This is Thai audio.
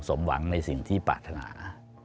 สมหวังในสิ่งที่ปรารถนา